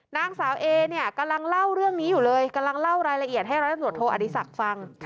นางสาวเอเนี่ยกำลังเล่าเรื่องนี้อยู่เลยกำลังเล่ารายละเอียดให้ร้อยตำรวจโทอดีศักดิ์ฟัง